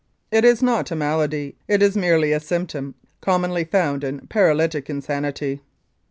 It is not a malady. It is merely a symptom, commonly found in paralytic insanity.